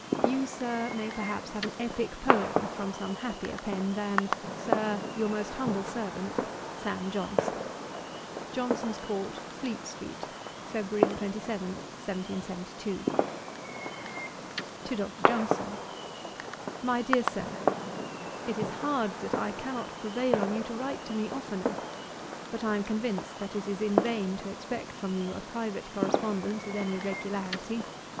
You, Sir, may perhaps have an epick poem from some happier pen than, Sir, 'Your most humble servant, 'SAM. JOHNSON.' 'Johnson's court, Fleet street, February 27, 1772.' 'To DR. JOHNSON. 'MY DEAR SIR, 'It is hard that I cannot prevail on you to write to me oftener. But I am convinced that it is in vain to expect from you a private correspondence with any regularity.